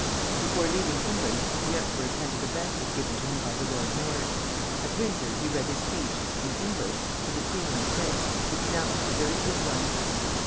Before leaving England the emperor attended a banquet given to him by the Lord Mayor. At Windsor he read his speech (in English) to the queen and prince, who pronounced it a very good one.